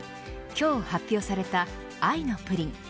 今日発表されたＡＩのプリン。